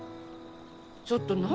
ちょっと何？